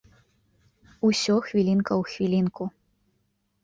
Усё хвілінка ў хвілінку!